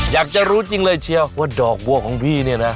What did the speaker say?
อยากจะรู้จริงเลยเชียวว่าดอกบัวของพี่เนี่ยนะ